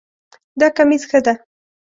دا کمیس ښه ده